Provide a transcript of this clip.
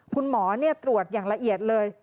คุณหมอตรวจอย่างละเอียดเลย